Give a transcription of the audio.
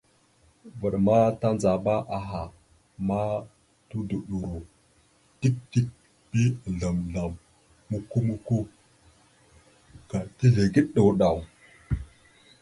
Vvaɗ ma tandzaba aha ma tudoɗoro dik dik bi azzlam azzlam mokko mokko ka tizləge ɗaw ɗaw.